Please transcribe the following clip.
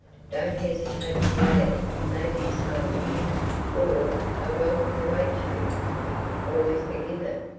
Don't hesitate to land. Natives harmless. Or: _A welcome awaits you. All is forgiven.